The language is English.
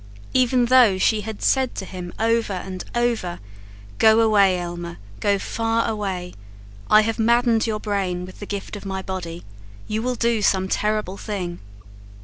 Even though she had said to him over and over, "Go away, Elmer, go far away, I have maddened your brain with the gift of my body: You will do some terrible thing."